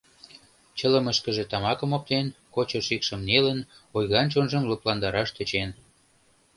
Чылымышкыже тамакым оптен, кочо шикшым нелын, ойган чонжым лыпландараш тӧчен.